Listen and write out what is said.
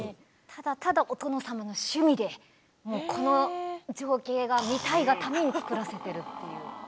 ただただお殿様の趣味でもうこの情景が見たいがためにつくらせてるっていう。